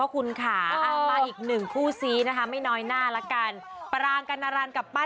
คุณโฟก็ถามว่านองชอบพี่ได้ป่ะ